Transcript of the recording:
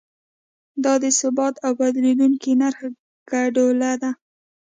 دا د ثابت او بدلیدونکي نرخ ګډوله ده.